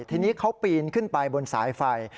ทีนี้เขาปีนขึ้นไปบนสายไฟ